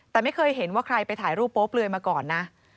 แต่ไม่เคยเห็นว่าใครไปถ่ายรูปโป๊เปลือยมาก่อนนะ